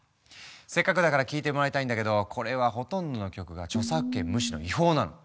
せっかくだから聴いてもらいたいんだけどこれはほとんどの曲が著作権無視の違法なの。